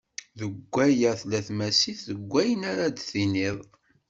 Deg waya tella tmasit deg wayen ara d-tiniḍ.